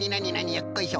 よっこいしょ。